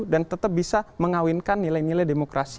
dan tetap bisa mengawinkan nilai nilai demokrasi